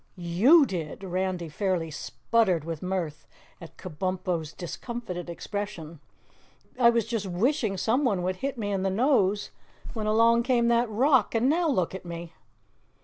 "YOU did." Randy fairly sputtered with mirth at Kabumpo's discomfited expression. "I was just wishing someone would hit me in the nose, when along came that rock and NOW look at me!"